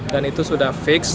dan itu sudah fix